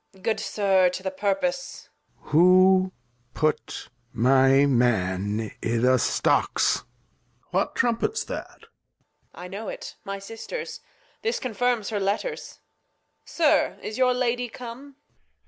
Good Sir, to th' Purpose. Lear. Who put my Man i'th' Stocks ? Duke. What Trumpet's that ? Reg. I know't, my Sister's, this confirms her Let ters. Sir, is your Lady come